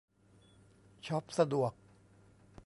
ช็อปสะดวก